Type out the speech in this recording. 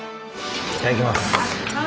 いただきます。